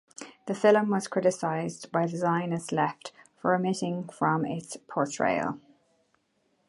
The film was criticised by the Zionist left for omitting from its portrayal.